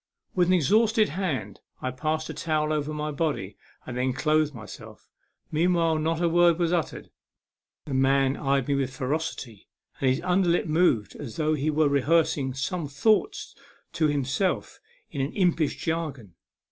With an exhausted hand I passed a towel over my body and then clothed myself. Meanwhile, not a word was uttered. The man eyed me with ferocity, and his under lip moved as though he were rehears ing some thoughts to himself in an impish jargon.